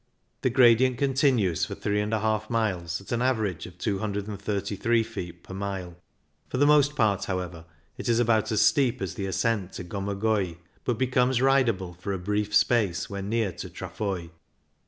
The gradient con tinues for 3 J miles at an average of 233 THE STELVIO 23 feet per mile; for the most part, how ever, it is about as steep as the ascent to Gomagoi, but becomes ridable for a brief space when near to Trafoi.